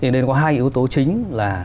nên có hai yếu tố chính là